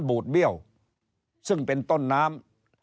บูดเบี้ยวซึ่งเป็นต้นน้ำ